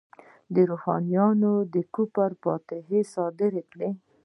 روحانیونو د کفر فتواوې صادرې کړې.